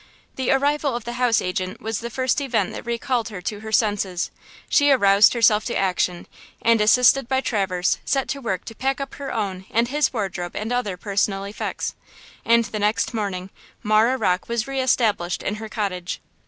The arrival of the house agent was the first event that recalled her to her senses. She aroused herself to action, and, assisted by Traverse, set to work to pack up her own and his wardrobe and other personal effects. And the next morning Marah Rocke was re established in her cottage.